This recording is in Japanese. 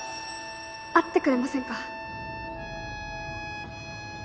会ってくれませんか？